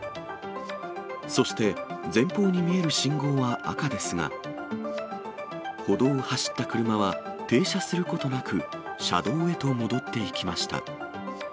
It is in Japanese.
そして、前方に見える信号は赤ですが、歩道を走った車は、停車することなく、車道へと戻っていきました。